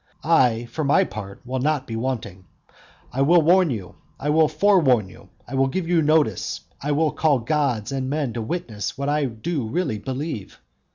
I, for my part, will not be wanting. I will warn you, I will forewarn you, I will give you notice, I will call gods and men to witness what I do really believe.